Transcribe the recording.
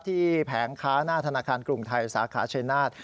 ที่แผงค้าหน้าธนาคารกลุ่มไทยสาขาเชนาส